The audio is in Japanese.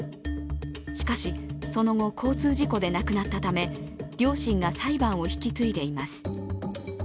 しかし、その後、交通事故で亡くなったため、両親が裁判を引き継いでいます。